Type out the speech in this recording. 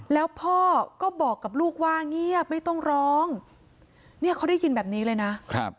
แล้วพ่อก็บอกกับลูกว่าเงียบไม่ต้องร้องเนี่ยเขาได้ยินแบบนี้เลยนะครับ